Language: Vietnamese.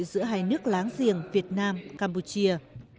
giữa hai nước láng giềng việt nam campuchia